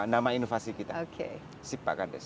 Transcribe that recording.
nama inovasi kita sipak kades